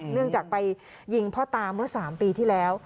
เนื่องจากไปยิงพ่อตาเมื่อ๓ปีที่แล้ว